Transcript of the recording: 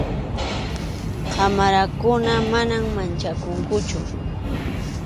qamarakuna, manam manchakunkuchu.